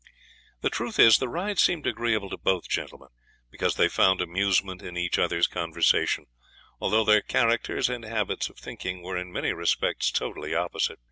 The truth is, the ride seemed agreeable to both gentlemen, because they found amusement in each other's conversation, although their characters and habits of thinking were in many respects totally opposite.